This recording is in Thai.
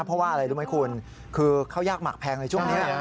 เพราะว่าอะไรรู้ไหมคุณคือข้าวยากหมักแพงในช่วงนี้